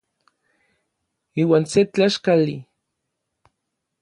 Iuan se tlaxkali.